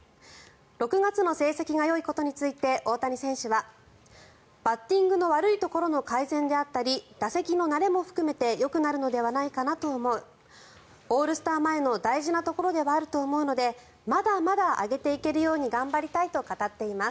６月の成績がよいことについて大谷選手はバッティングの悪いところの改善であったり打席の慣れも含めてよくなるのではないかなと思うオールスター前の大事なところではあると思うのでまだまだ上げていけるように頑張りたいと語っています。